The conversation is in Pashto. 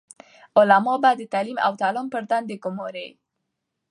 علماء به د تعليم او تعلم پر دندي ګماري،